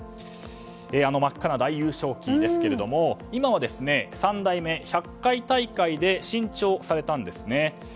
あの真っ赤な大優勝旗ですが今は３代目、１００回大会で新調されたんですね。